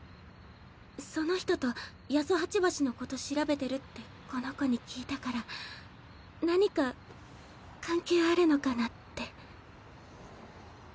その人と八十八橋のこと調べてるってこの子に聞いたから何か関係あるのかなって。